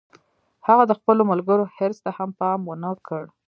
هغه د خپلو ملګرو حرص ته هم پام و نه کړ